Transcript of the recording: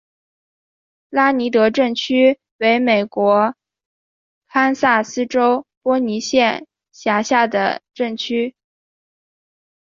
拉尼德镇区为美国堪萨斯州波尼县辖下的镇区。